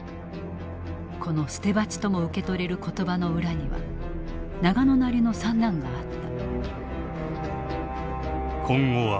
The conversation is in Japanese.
この捨てばちとも受け取れる言葉の裏には永野なりの算段があった。